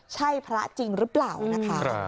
ใช่พระจริงหรือเปล่านะคะ